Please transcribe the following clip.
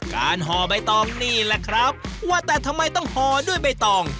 ห่อใบตองนี่แหละครับว่าแต่ทำไมต้องห่อด้วยใบตอง